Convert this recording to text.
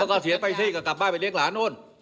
ก็ก็เกษียณไปซี่ก็กลับบ้านไปเรียกหลานโน้น